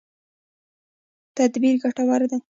تدبیر ګټور دی.